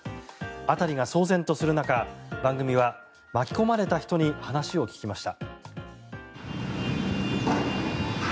辺りが騒然とする中番組は巻き込まれた人に話を聞きました。